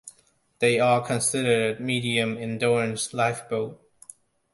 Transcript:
They are considered "medium endurance" lifeboats.